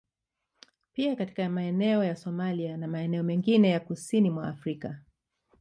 Pia katika maeneo ya Somalia na maeneo mengine ya kusini mwa Afrika